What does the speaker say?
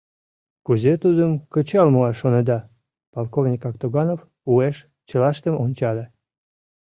— Кузе тудым кычал муаш шонеда? — полковник Актуганов уэш чылаштым ончале.